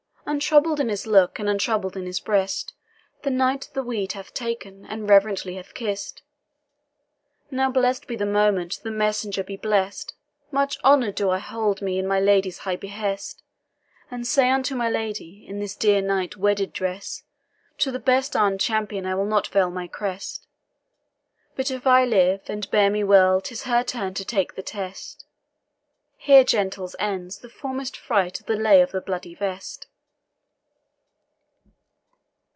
Untroubled in his look, and untroubled in his breast, The knight the weed hath taken, and reverently hath kiss'd. "Now blessed be the moment, the messenger be blest! Much honour'd do I hold me in my lady's high behest; And say unto my lady, in this dear night weed dress'd, To the best armed champion I will not veil my crest; But if I live and bear me well 'tis her turn to take the test." Here, gentles, ends the foremost fytte of the Lay of the Bloody Vest.